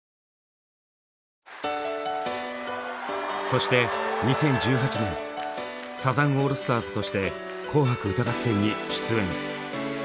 そして２０１８年サザンオールスターズとして「紅白歌合戦」に出演。